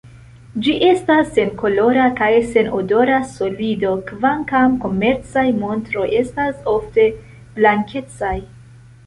Ĝi estas senkolora kaj senodora solido, kvankam komercaj montroj estas ofte blankecaj.